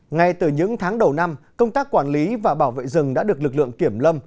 ngay từ những tháng đầu năm công tác quản lý và bảo vệ rừng đã được lực lượng kiểm lâm